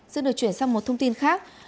sự được chuyển sang một thông tin khác